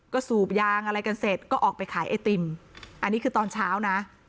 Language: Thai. ก็สูบยางอะไรกันเสร็จก็ออกไปขายไอติมอันนี้คือตอนเช้านะ